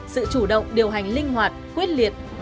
sự chủ động điều hành linh hoạt quyết liệt